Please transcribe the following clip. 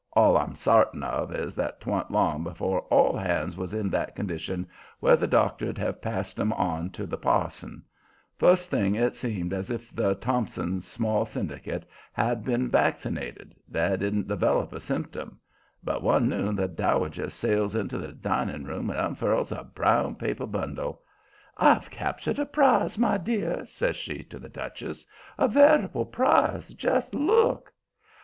All I'm sartain of is that 'twan't long afore all hands was in that condition where the doctor'd have passed 'em on to the parson. First along it seemed as if the Thompson Small syndicate had been vaccinated they didn't develop a symptom. But one noon the Dowager sails into the dining room and unfurls a brown paper bundle. "I've captured a prize, my dear," says she to the Duchess. "A veritable prize. Just look!"